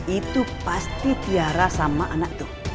itu pasti tiara sama anak tuh